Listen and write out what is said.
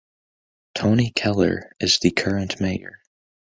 Toni Keller is the current mayor.